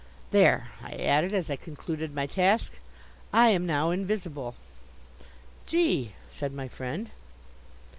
There!" I added, as I concluded my task. "I am now invisible." "Gee!" said my friend.